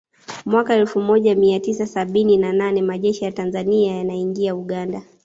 Mwaka elfu moja mia tisa sabini na nane Majeshi ya Tanzania yanaingia Uganda